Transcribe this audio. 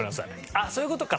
あっそういう事か。